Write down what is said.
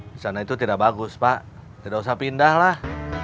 disana itu tidak bagus pak tidak usah pindah lah